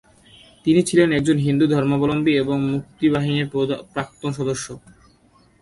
তিনি ছিলেন একজন হিন্দু ধর্মাবলম্বী এবং মুক্তি বাহিনীর প্রাক্তন সদস্য।